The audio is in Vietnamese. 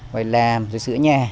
rồi làm rồi sửa nhà